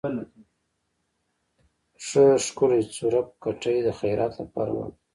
ښه ښکلے څورب کټے د خيرات لپاره واخله۔